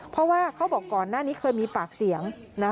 เพราะว่าเขาบอกก่อนหน้านี้เคยมีปากเสียง